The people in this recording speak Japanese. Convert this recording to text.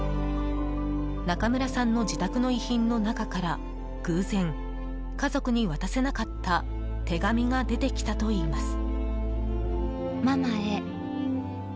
中村さんの自宅の遺品の中から偶然、家族に渡せなかった手紙が出てきたといいます。